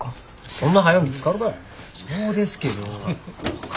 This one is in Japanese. そうですけど。